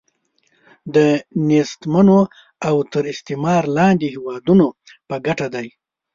د نېستمنو او تر استعمار لاندې هیوادونو په ګټه دی.